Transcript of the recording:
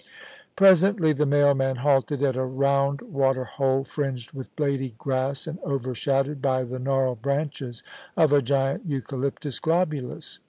Presently the mailman halted at a round waterhde fringed with blady grass, and overshadowed by the gnarled branches of a giant eucalyptus globulus.